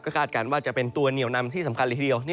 คาดการณ์ว่าจะเป็นตัวเหนียวนำที่สำคัญเลยทีเดียว